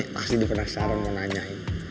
pasti dipenasaran mau nanyain